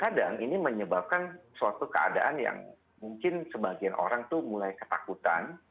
kadang ini menyebabkan suatu keadaan yang mungkin sebagian orang tuh mulai ketakutan